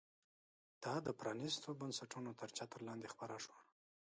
دا د پرانیستو بنسټونو تر چتر لاندې خپره شوه.